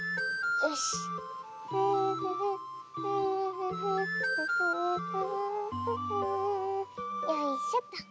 よいしょと。